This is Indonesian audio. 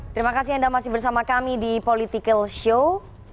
terima kasih anda masih bersama kami di political show